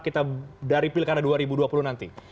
kita dari pilkada dua ribu dua puluh nanti